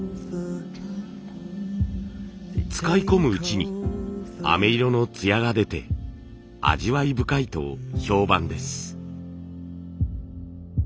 使い込むうちにあめ色の艶が出て味わい深いと評判です。